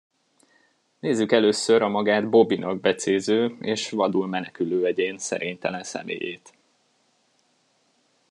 Nézzük először a magát Bobbynak becéző és vadul menekülő egyén szerénytelen személyét.